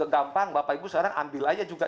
gampang bapak ibu sekarang ambil aja juga